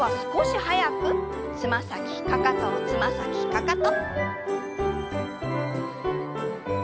速くつま先かかとつま先かかと。